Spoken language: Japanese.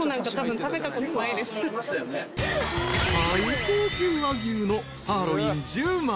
［最高級和牛のサーロイン１０枚］